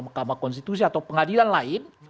mahkamah konstitusi atau pengadilan lain